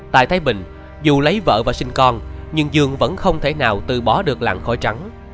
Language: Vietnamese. tại thái bình dù lấy vợ và sinh con nhưng dương vẫn không thể nào từ bỏ được làng khói trắng